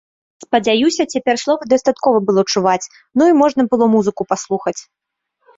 Спадзяюся, цяпер словы дастаткова было чуваць, ну, і можна было музыку паслухаць.